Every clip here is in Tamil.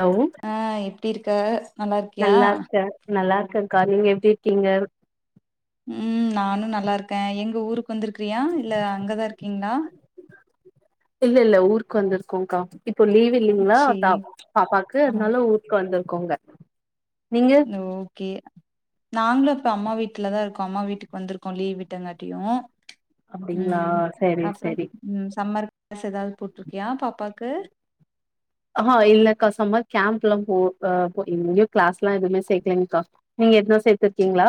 ஹலோ ஆ எப்டி இருக்க நல்லா இருக்கியா நல்லா இருக்கக்கா நீங்க எப்டி இருக்கீங்க ம் நானு நல்லா இருக்க எங்க ஊருக்கு வந்திருக்குறியா இல்ல அங்கதா இருக்கீங்களா இல்ல இல்ல ஊருக்கு வந்திருக்கோக்கா இப்ப லீவு ங்களா தா சேரி பாப்பாக்கு ஆ அதுனால ஊருக்கு வந்துருக்கோங்க நீங்க ஓகே நாங்களு இப்ப அம்மா வீட்டுலதா இருக்கோ அம்மா வீட்டுக்கு வந்துருக்கோ லீவ் விட்டங்காட்டியூ அப்டிங்களா ம் சரி அப்பறோ சரி ம் சம்மர் ஸ் எதாவது போட்ருக்கியா பாப்பாக்கு ஆஹ இல்லக்கா சம்மார் கேம்ப்லா போ ஆ இங்கியூ கிளாஸ்ல எதுவுமே சேக்கலங்க்கா நீங்க எதுனா சேர்த்திருக்கீங்களா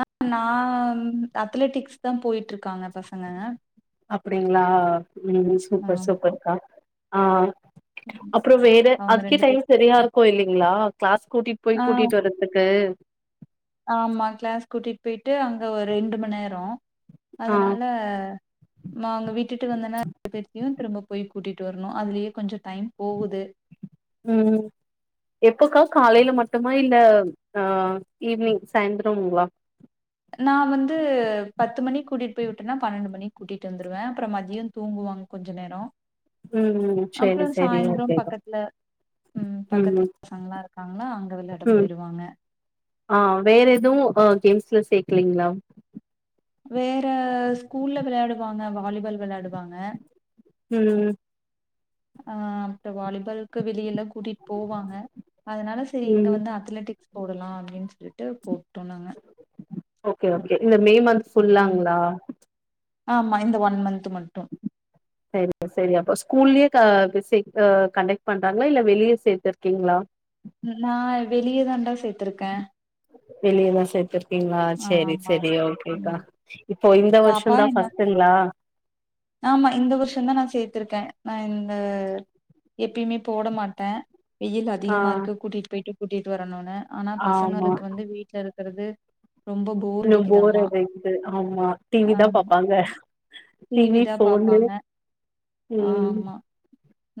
ஆ நான் அத்தலெட்டிக்ஸ் தா போயிட்ருக்காங்க பசங்க அப்படிங்ளா ம் சூப்பர் ஆமா சூப்பர்க்கா ஆ அப்பறோ வேற அவங்க அதுக்கே ரெண்டு பேர் டைம் செரியா இருக்கு இல்லிங்ளா கிளாஸ் கூட்டிட் போய் ஆ கூட்டிட்டு வர த்துக்கு ஆமா கிளாஸ் கூட்டிட் போயிட்டு அங்க ஒரு ரெண்டு மநேரோ ஆ அதனால நா அங்க விட்டுட்டு வந்தனா பேர்தயூ திரும்ப போய் கூட்டிட்டு வரணு அதுலயே கொஞ்சோ டைம் போவுது ம் எப்போக்கா காலைல மட்டுமா இல்ல ஆ ஈவினிங் சாயந்ரொங்களா நா வந்து பத்து மணி கூட்டிட்டு போய் விட்டன்னா பன்னெண்டு மணிக்கு கூட்டிட்டு வந்துருவ அப்பறோ மதியோ தூங்குவாங் கொஞ்ச நேரோ ம் ம் செரி அப்பறோ செரி சாய்ந்தரோ ஓகேக்கா பக்கத்துல ம் பக்கத் [inaudible] பசங்களா இருக்காங்களா அங்க விளையாட ம் போயிருவாங்க ஆ வேற எதுவு அ கேம்ஸ்ல சேக்கலீங்களா வேற ஸ்கூல்ல வெளையாடுவாங்க வாலிபால் வெளையாடுவாங்க ம் ஆ அப்பறோ வாலிபால்க்கு வெளிய எல்லா கூட்டிட் போவாங்க அதனால செரி இங்க ம் வந்து அத்தலெட்டிக் போடலா அப்டின் சொல்லிட்டு போட்டோ நாங்க ஓகே ஓகே இந்த மே மன்த் ம் புல்லாங்ளா ஆமா இந்த ஒன் மன்த் மட்டு சேரிங்க சேரி அப்ப ஸ்கூல்லயே க [unintelligible] அ கண்டெக்ட் பண்றாங்களா இல்ல வெளிய சேர்த்துருக்கீங்களா ம் நா வெளிய தாண்டா சேத்திருக்க வெளிய தா சேத்துர் கிங்ளா சேரி ஆமா சேரி ஓகேக்கா ம் இப்போ இந்த பாப்பா வருஷந்தா என்ன ஃபஸ்ட்டுங்ளா ஆமா இந்த வருஷோ தா நா சேர்த்திருக்கே நா இந்த எப்பியுமே போடமாட்டே வெயில் ஆ அதிகமா இருக்கு கூட்டிட்டு போயிட்டு கூட்டிகிட்டு வரணுன்னு ஆனா ஆமா பசங்களுக்கு வந்து வீட்ல இருக் கறது ரொம்ப இன்னு போர் அடிக்குது ஆமா டிவிதா பாப்பாங்க டி வி டிவிதா ஃபோனு பாப்பாங்க ம் ஆமா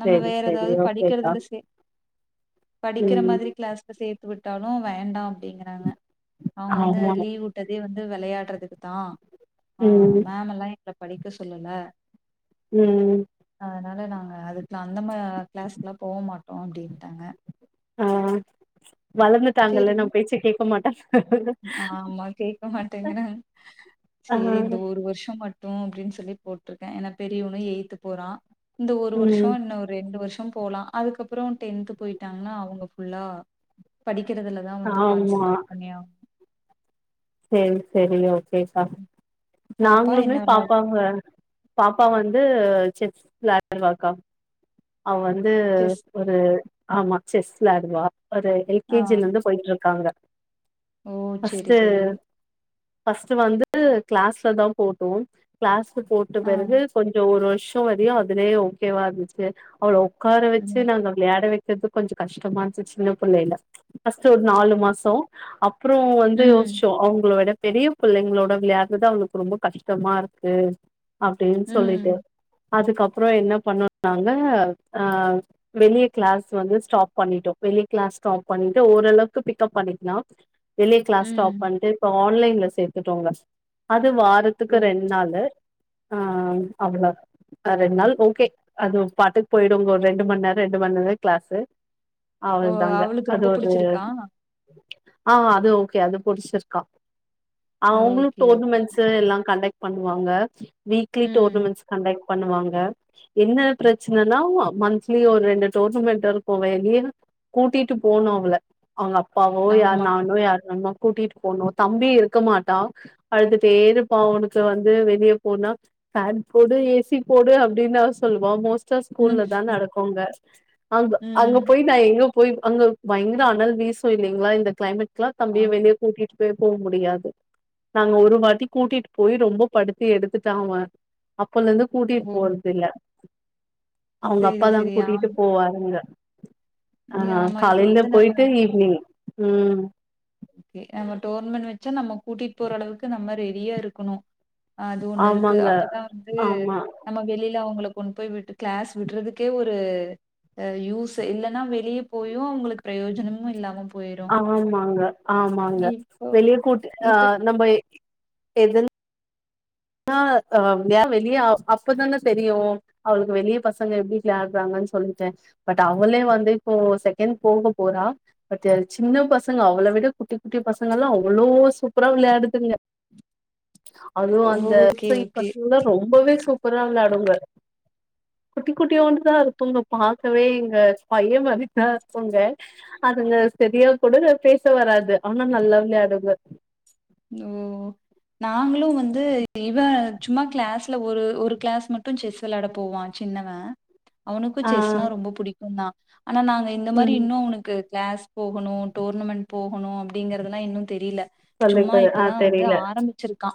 நம்ம செரி வேற செரி எதாவது ஓகேக்கா படிக்கறதுல சே படிக்கிற ம் மாதிரி கிளாஸ் சேத்து விட்டாலு வேண்டா அப்பிடிங்கறாங்க அவங்க வந்து ஆமா லீவ்வுட்டதே வந்து வெளையாடறதுக்கு தா ஆ ம் மேமல்லா எங்கள படிக்க சொல்லல ம் அதனால நாங்க அதுக்குல அந்த மா கிளாஸ்ல்லா போமாட்டோ அப்டின்ட்டாங்க ஆ சரி. வளந்துட்டாங்கல்ல நம் பேச்ச கேட்கமாட்டங் சே இந்த ஒரு வருஷோ மட்டு அப்பிடின் சொல்லி போட்டிருக்கே ஏன்னா பெரியவன்னு எயித்து போறா இந்த ஒரு வருஷோ ம் இன்னு ஒரு ரெண்டு வருஷோ போலா அதுக்கப்புறோ டென்த்து போயிட்டாகன்னா அவுங்க ஃபுல்லா படிக்கிறதுல தா வந்து ஆமா கான்சன்ட்ரேட் பண்ணியா சரி சரி ஓகேக்கா பாப்பா என்ன நாங்களுமே விளையாடு பாப்பாங்க பாப்பா வந்து செஸ் விளாடுவாக்கா அவ வந்து செஸ். ஒரு ஆமா செஸ் விளாடுவா ஒரு ஆ. எல்கேஜிலந்து போயிட்டு இருக்காங்க ஓ சேரி சேரி ஃபஸ்ட் வந்து கிளாஸ்லதா போட்டோ கிளாஸ்ல போட்ட ஆ. பிறகு கொஞ்சோ ஒரு வருஷ் ட்டோ வரியு அதிலயே ஓக்கேவா இருந்துச்சி அவள உக்கார வச்சி ம். நாங்க விளையாட வக்கிறது கொஞ்ச கஷ்டமா இருந்துச்சி சின்ன புள்ளையில்ல ஃபஸ்ட் நாலு மாசோ அப் ப்புறோ வந்து ம். யோச் ப்போ அவங்கள விட பெரிய பிள்ளைங்களோட விளையாறது அவுளுக்கு ரொம்ப கஷ்டமா இருக்கு அப்பிடின் சொல்லிட்டு ம். அதுக்கப்புறோ என்ன பண்ணுனாங்க ஆ வெளிய கிளாஸ் வந்து ஸ்டாப் பண்ணிட்டோ வெளிய கிளாஸ் ஸ்டாப் பண்ணிட்டு ஓரளவுக்கு பிக்ப் பண்ணிக்கலா வெளிய கிளாஸ் ம். ஸ்டாப் பண்ட்டு இப்ப ஆன்லைன்ல சேத்துட்டோங்க அது வாரத்துக்கு ஓ! ரெண் நாலு ஆ அவ்ள ஆ ரெண்நாள் ஓகே அது பாட்டுக்கு போயிடுங்கோ ரெண்டு மண்நேரோ ரெண்டு மண்நேரோ கிளாஸு ஓ! அவ்ல்தாங்க அவளுக்கு அது ரொம்ப ஒரு புடிச்சிருக்கா? ஆ அது ஓகே அது புடிச்சிருக்கா அவுங்களு ஓகே, ஓகே. டோர்னமெண்ட்ஸ் எல்லா கண்டெக்ட் பண்ணுவாங்க வீக்லி ம். டோர்னமெண்ட்ஸ் கண்டெக்ட் பண்ணுவாங்க என்ன பிரச்சனனா மந்த்லி ஒரு ரெண்டு டோர்னமெண்டாது போவே நீயா கூட்டிட்டு போனு அவள அவங்க அப்பாவோ யார் ஆமா. நானோ யார் நண்னோ கூட்டிட்டு போணு தம்பி இருக்கமாட்டா அழுத்துட்டே இருப்பா அவனுக்கு வந்து வெளிய போனா ஃபேன் போடு ஏசி போடு அப்டின் அவ சொல்லுவா மோஸ் ச்சா ம். ஸ்கூல்லதா நடக்குங்க அங்க அங்க ம். போய் நா எங்க போய் அங்க பயங்கர அனல் வீசு இல்லங்களா இந்த கிளைமெட்க்ல்லா ஆ. தம்பிய வெளியே கூட்டிட்டு போய் போ முடியாது நாங்க ஒரு வாட்டி கூட்டிட்டு போய் ரொம்ப படுத்தி எடுத்துட்டா அவ அப்பலந்து கூட்டிட்டு ஓ! போறது இல்ல அவங்க சரி, அப்பாதா சரி. ஆமா. கூட்டிட்டு போவாருங்க ஆ ம், ஆமா இப்ப காலையில வந்து நம்ம போயிட்டு ஈவினிங் ம் ஓகே நம்ம டோர்னமெண்ட் வச்சா நம்ம கூட்டிட்டு போற அளவுக்கு நம்ம ரெடியா இருக்கணு அ அது ஒண்ணு இருக்கு ஆமாங்க அப்பதா வந்து ஆமா நம்ம வெளியில அவங்க கொண்டு போய் விட்டு கிளாஸ் விடுறதுக்கே ஒரு அ யூஸ் இல்லன்னா வெளிய போயு அவங்களுக்கு பிரயோஜனமும் இல்லாம போயிரு ஆமாங்க ஆமாங்க வெளிய கூட்டு ஆ இப்ப நம்ம எது ஆ அ அ வெளிய அப் அப்பதானே தெரியு அவளுக்கு வெளிய பசங்க எப்டி விளயாடுறாங்கன்னு சொல்லிட்ட பட் அவங்களே வந்து இப்போ செகண்ட் போக போறா பட் அது சின்ன பசங்க அவள விட குட்டி குட்டி பசங்க எல்லா அவ்வளோ சூப்பரா விளயாடுதுங்க அதுவு அந்த ஓகே பசங்க ஓகே. பசங்கல்லா ரொம்பவே சூப்பரா விளயாடுங்க குட்டி குட்டியோண்டுதா இருப்போங்க பாக்கவே எங்க பைய மாரிதா இருப்போங்க அதுங்க சேரியா கூட பே பேச வராது ஆனா நல்ல விளயாடுங்க ம் நாங்களு வந்து இவ சும்மா கிளாஸ்ல ஒரு ஒரு கிளாஸ் மட்டு செஸ் விளயாட போவா சின்னவா அவனுக்கு ஆ செஸ்னா ரொம்ப புடிக்கு தா ஆனா நாங்க இந்த மாரி ம் இன்னு அவனுக்கு கிளாஸ் போகணு டோர்னமெண்ட் போகணு அப்டிங்கறதுல்லா இன்னு தெரில சும்மா சொல்லித்தரு ஆ இப்பதா வந்து தெரில ஆரம்பிச்சிருக்கா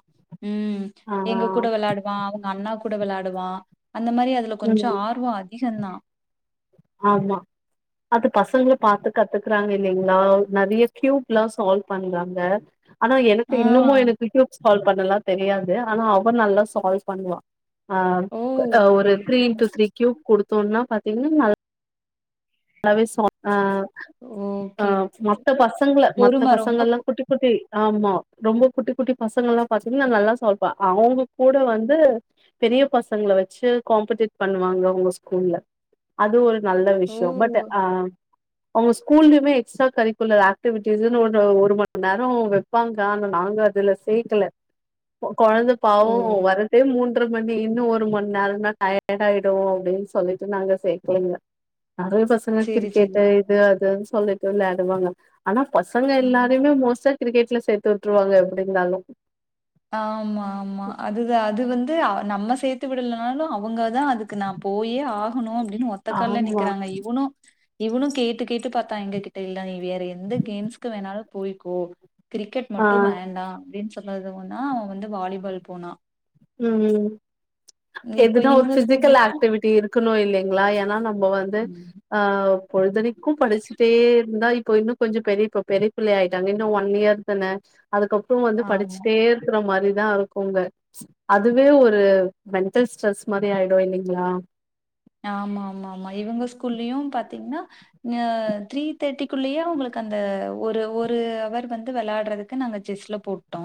ம் ஆ எங்க கூட விளாடுவா அவங்க அண்ணா கூட விளயாடுவா அந்த மாரி அது அதுல கொஞ்சோ ம் ஆர்வோ அதிக தா ஆமா அது பசங்கள பாத்து கத்துக்குறாங்க இல்லலைங்களா அவங் நெறைய கியூப்ல்லா சால்வ் பண்றாங்க ஆனா எனக்கு ஆ இன்னுமு எனக்கு கூயுப் சால்வ் பண்ணலா தெரியாது ஆனா அவ நல்லா சால்வ் பண்ணுவா ஆ ஓ அ ஓகே ஒரு three okay into three cube குடுத்தோம்னா பாத்தீங்கன்னா நல் நாவே ச ஆ அ ஓகே ஓகே மத்த பசங்கள மத்த பொறும ரொம்ப பசங்கள்லா பொ கூட்டி [unintelligible] ஆமா ரொம்ப குட்டி குட்டி பசங்கள் எல்லா பார்த்தீங்கன்ன நா நல்லா சமைப்ப அவங்க கூட வந்து பெரிய பசங்களை வச்சு காம்படேட் பண்ணுவாங்க அங்க ஸ்கூல்ல அது ஒரு நல்ல ஓ விஷயோ பட் ஆ அவங்க ஸ்கூல்லயுமே எக்ஸ்ட்ரா கரிக்குலர் ஆக்டிவிட்டிஸ்ன்னனு ஒன்னு ஒரு மணி நேரோ அவங்க இருப்பாங்க ஆன நாங்க அதுல சேக்கல கொழந்த பாவ ஓ வரதே மூன் றமணி இன்னு ஒரு மணி நேரம்ன டயர்ட் ஆயிடு அப்படின்னு சொல்லிட்டு நாங்க சேகலங்க அதுதா [unintelligible] சேரி கிரிக்கெட் சேரி இது அது சொல்லிட்டு விளயாடுவாங்க ஆனா பசங்க ம் எல்லாரையுமே மோஸ்டா கிரிக்கெட்ல சேர்த்து விட்டுருவாங்க எப்டி இருந்தாலு ஆமா ஆமா அதுத அது வந்து அ நம்ம சேர்த்து விடலனாலு அவங்கதா அதுக்கு ந போயே ஆகணு அப்படின்னு ஒத்தக்கால்ல ஆமா நிக்கறாங்க இவனு இவனு கேட்டு கேட்டு பார்த்தா எங்க கிட்ட இல்ல நீ வேற எந்த கேம்ஸ்கு வேணாலு போய்கோ கிரிக்கெட் ஆ மட்டு வேண்டா அப்படின்னு [unintelligible] அவ வந்து வாலிபால் போனா ம் இப்ப எதுன ஒரு இவங்க ஃபிசிக்கல் ஸ்கூல்லயும் ஆக்டிவிட்டி இரு க்கணு இல்லைங்களா ஏன்னா நம்ம வந்து ம். ஆ பொழுதனக்கு படிச்சுட்டே இருந்தா இப்போ இன்னு கொஞ்சோ பெரிய இப்ப பெரிய புள்ளை ஆயிட்டாங்க இன்னு ஒன் இயர் தானே அதுக்கப்புற வந்து ஆமா. படிச்சிட்டே இருக்கிற மாரிதா இருக்குங்க அதுவே ஒரு மென்ட்டல் ஸ்ட்ரெஸ் மாரி ஆயிடு இல்லைங்களா ஆமா ஆமா ஆமா இவங்க ஸ்கூல்லயு பாத்திங்னா அ த்ரீ தேட்டிக்குள்ளயே அவங்களுக்கு அந்த ஒரு ஒரு அவர் வந்து வெளாடறதுக்கு நாங்க செஸ்ல போட்டோ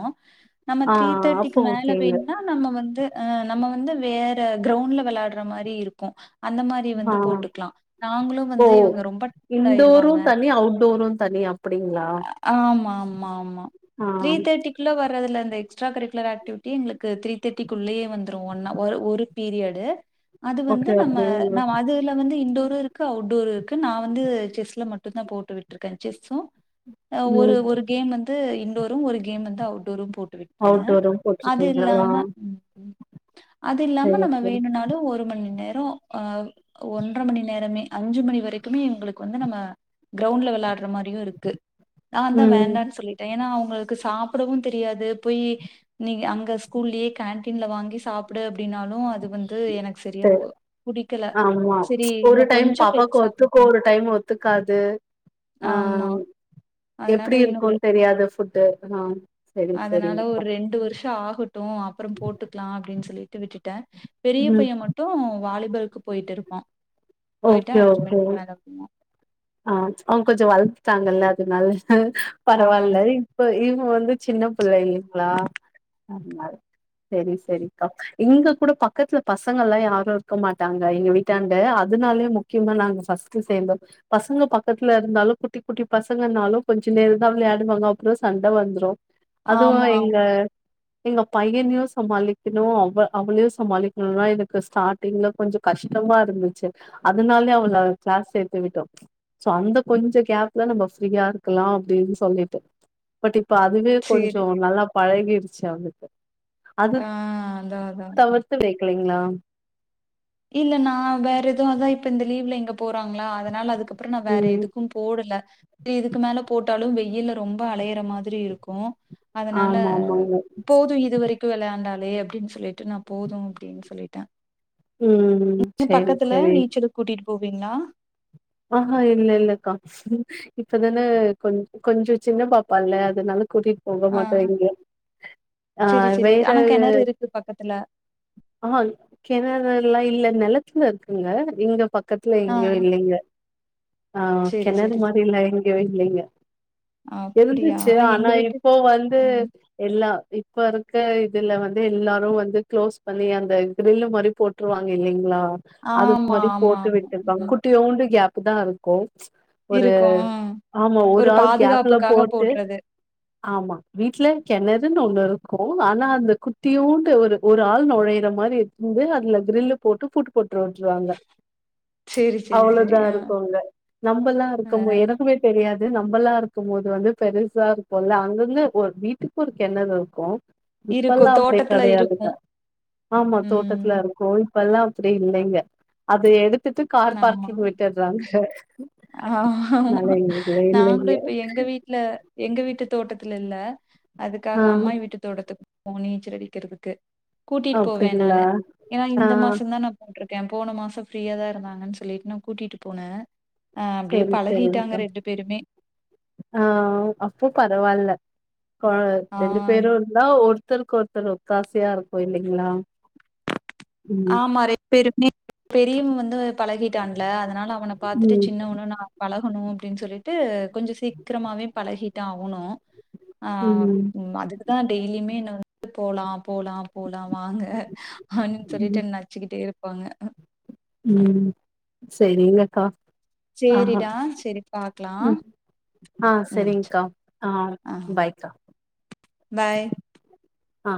நம்ம ஆ த்ரீ அப்போ தேட்டிக்கு மேல ஓகேங்க வேணுனா நம்ம வந்து அ நம்ம வந்து வேற கிரௌண்ட்ல வெளாடுற மாரி இருக்கு அந்த மாரி வந்து ஆ போட்டுக்லா நாங்களு ஓ வந்து இவங்க ரொம்ப டயடு ஆயிருவாங்க அப்படிங்ளா ஆமா ஆமா ஆமா த்ரீ தேட்டி குள்ள வரதுல இந்த எக்ஸ்ட்ரா கரிக்குலர் ஆக்டிவிட்டி எங்களுக்கு த்ரீ தேட்டிக்குள்ளயே வந்துரு ஒன்ன ஒரு ஒரு பீரியடு அது வந்து ஓகே நம்ம ஓகே நம் அது ல வந்து இன்டோரு இருக்கு அவுட்டோரு இருக்கு நா வந்து செஸ்ல மட்டுந்தா போட்டு விட்ருக்கே செஸ்ஸு அ ஒரு ம் ஒரு கேம் வந்து இன்டோரு ஒரு கேம் வந்து அவுட்டோரு போட்டுவிட் ருந்த அவுட்டோரு அது போட்ருக்கீங்க ஆ இல்லாம அது இல்லாம சரி நம்ம சரி வேணுன்னாலு ஒரு மணி நேரோ ஆ ஒன்ற மணி நேரமே அஞ்சு மணி வரைக்குமே இவங்களுக்கு வந்து நம்ம கிரௌண்ட்ல விளாடற மாரியு இருக்கு நாந்தா ம் வேண்டானு சொல்லிட்ட ஏன்னா அவங்களுக்கு சாப்பிடவு தெரியாது போயி நீ அங்க ஸ்கூல்லயே கேன்டீன்ல வாங்கி சாப்பிடு அப்டின்னாலு அது வந்து எனக்கு சரியா சரி ஒ புடிக்கல ஆமா சரி இன்ன ஒரு டைம் கொஞ்ச பாப்பாக்கு ஒத்துக்கு பெருசாகட்டு ஒரு டைம் ஒத்துக்காது ஆமா அ எப்படி இருக்குன் தெரியாது ஃபுட்டு அதா சரி சரி அக்கா ரெண்டு வருஷ ஆகட்டு அப்பறம் போட்டுக்லா அப்டின்னு சொல்லிட்டு விட்டுட்ட பெரிய ம் பைய மட் டு வாலிபால்க்கு போய்ட்டு இருப்பா போயிட்டு ஓகே அஞ்சு ஓகே மணிக்கு மேல வருவா ஆ அவங்க கொஞ்ச வளந்துட்டாங்கல்ல அதனால ஆ பரவால்ல இப்ப இவ வந்து சின்ன பிள்ளை இல்லைங்ளா அதனால செரி செரிக்கா இங்க கூட பக்கத்துல பசங்க எல்லா யாரு இருக்க மாட்டாங்க எங்க வீ ட்டாண்ட அதனாலயே முக்கியமா நாங்க ஃபஸ்ட்டு சேந்தோ பசங்க பக்கத்துல இருந்தாலு குட்டி குட்டி பசங்கனாலு கொஞ்ச நேரந்தா விளையாடுவாங்க அப்பற சண்ட வந்துரு அதுவு ஆமா. எங்க எங்க பையனையு சமாளிக்கணு அவ அவளையு சமாளிக்கணுனா எனக்கு ஸ்டா ட்டிங்ல கொஞ்ச கஷ்டமா இருந்துச்சு அதனாலே அவள கிளாஸ் சேத்து விட்டோ சோ அந்த கொஞ்ச கேப்ல நம்ம ஃப்ரீயா இருக்கலா அப்டின் சொல்லிட்டு பட் இப்ப அதுவே சரி. கொஞ்சோ நல்லா பழகிடுச்சு அவளுக்கு அது ஆ அதான் அதான். தவிர்த்து வெக்கலைங்களா இல்ல நா வேற எது அதா இப்ப இந்த லீவ்ல இங்க போறாங்ளா அதனால அதுக்கப்புறோ நா வேற ம் எதுக்கு போடல செரி இதுக்கு மேல போட்டாலு வெய்யில்ல ரொம்ப அலையற மா திரி இருக்கு அதனால ஆமா ஆமாங்க. போது இதுவரைக்கு வெளையாண்டாலே அப்படின் சொல்லிட்டு நா போது அப்டின் சொல்லிட்டே ம் செரி செரி நீச்சலுக்கு கூட்டிட்டு போவிங்ளா ஆஹா இல்ல இல்லக்கா இப்பதான கொஞ் கொஞ்சோ சின்ன பாப்பால்ல அதனால கூட்டிட்டு போக ஆ மாட்டோ எங்கயு ஆ சரி சரி வேற ஆனா கிணறு இருக்கு பக்கத்துல அஹா கெணரெல்லா இல்ல நெலத்துல இருக்குங்க இங்க பக்கத்துல ஆ எங்கயு இல்லிங்க ஆ சரி கெணறு சரி சரி மாரிலா எங்யு இல்லிங்க அப்படியா இருந்துச்சு எங்க ஆனா வீட்டு இப்போ வந்து ம். எல்லா இப்ப இருக்க இதுல வந்து எல்லாரு வந்து க்ளோஸ் பண்ணி அந்த க்ரில் மாரி போட் ருவாங்க இல்லங்களா அது ஆமா மாரி ஆமா போட்டு ஆமா ம், விட்டுப்பாங்க ம். குட்டியோண்டு கேகப் அப்பதா இருக்கோ ஒரு இருக்கும் ஆ. ஆமா ஒரு ஆள் கேப்ல போட்டு [inaudible] ஆமா வீட்ல கெணறுன்னு ஒண்ணு இருக்கோ ஆனா அந்த குட்டியூண்டு ஒரு ஒரு ஆள் நொழைற மாரி வந்து அதுல கிரில்லு போட்டு பூட்டு போட்டு விட்டுருவாங்க சரி சரி சரி அவ்ளோதா ஆ இரு கு அங்க நம்மல்லா ஆ. இறக்கவே எனக்குவெ தெரியாது நம்மல்லா இருக்கோ போது வந்து பெருசாருக்கோல்ல அங்கங்க ஒரு வீட்டுக்கு ஒரு கெணறு இருக்கோ இப்பெல்லா இருக்கும். அப்டி தோட்டத்துல கடையாதுங்க இருக்கும். ஆமா தோட்டத்துல ம். இருக் கோ இப்பெல்லா அப்டி இல்லைங்க அது எடுத்துட்டு கார் ஆமா. பார்க்கிங் வெக்கிற ங்க ஆமா. நல்லா இல்லவே இல்லங்க ல எங்க வீட்டு தோட்டத்துல இல்ல அதுக்காக ஆ அம்மாயி வீட்டு தோட்டத்துக்கு போ நீச்சல்டிக்கிறதுக்கு கூட்டிட்டு போவே அப்டிங்களா நானு ஏன்னா ஆ இந்த மாச தா நா போட்டுருக்கே போன மாசோ ஃப்ரீயா தா இருதாங்கன்னு சொல்லிட்டு நா கூட்டிட்டு போனே அ அப்டியே செரி பழகிட்டாங்க செரிங்க ரெண்டு பேருமே ஆ அப்போ பரவாயில்ல இல்ல ஆ. ரெண்டு பேரு நா ஒருத்தருக்கு ஒருத்தர் ஒத்தாசையா இருக்கோ இல்லைங்களா ம் ஆமா ரெண்டு பேருமே பெரியவே வந்து பழகிட்டான்ல அதனால அவன பாத்துட்டு ம் சின்னவண்ணு ந பழகணு அப்டின்னு சொல்லிட்டு கொஞ்சோ சீக்கிரமாவே பழகிட்டா அவனு ஆ ம் அதுக் நா டெய்லியுமே என்ன வந்து போலா போலா போலா வாங்க அப்டின்னு சொல்லிட்டு என்ன ச்சுக்கிட்டேருப்பாங்க ம் செரிங்கக்கா ஆ சேரிடா சேரி பாக்கலா ம் ஆ ம் சரி. செரிங்க்கா ஆ பாய்கா பாய் ஆ